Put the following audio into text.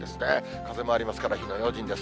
風もありますから、火の用心です。